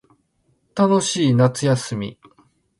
楽しい夏休み